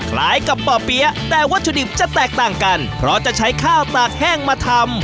คล้ายกับป่อเปี๊ยะแต่วัตถุดิบจะแตกต่างกันเพราะจะใช้ข้าวตากแห้งมาทำ